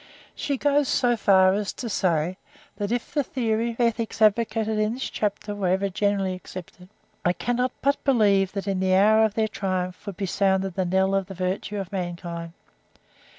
She goes so far as to say that if the theory of ethics advocated in this chapter were ever generally accepted, "I cannot but believe that in the hour of their triumph would be sounded the knell of the virtue of mankind!"